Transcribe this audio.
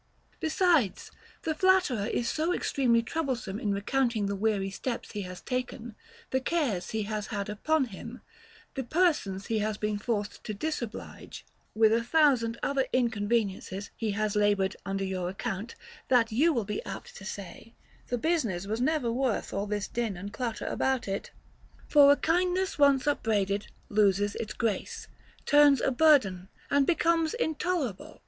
Besides, the flatterer is so extremely troublesome in re counting the weary steps he has taken, the cares he has had upon him, the persons he has been forced to disoblige, with a thousand other inconveniencies he has labored under upon your account, that you will be apt to say, The business was never worth all this din and clutter about it. For a kindness once upbraided loses its grace, turns a burden, and becomes intolerable.